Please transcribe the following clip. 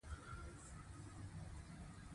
استاد بینوا د خپلو اثارو له لارې پیغامونه رسولي دي.